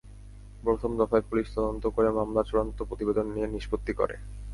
প্রথম দফায় পুলিশ তদন্ত করে মামলার চূড়ান্ত প্রতিবেদন দিয়ে নিষ্পত্তি করে।